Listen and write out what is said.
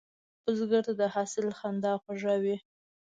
بزګر ته د حاصل خندا خوږه وي